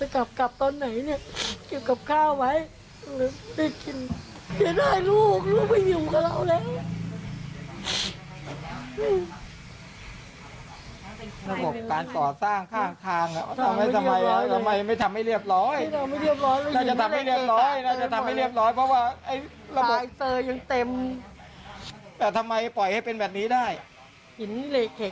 เราก็กินข้าวอาบน้ำนอนเดี๋ยวกับนียังไม่มาเลย